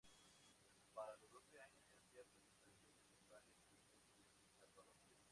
Para los doce años ya hacía presentaciones en varias ciudades de El Salvador.